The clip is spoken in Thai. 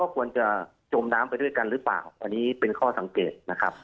ควรจะจมน้ำไปด้วยกันหรือเปล่าอันนี้เป็นข้อสังเกตนะครับ